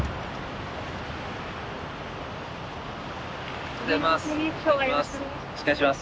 おはようございます。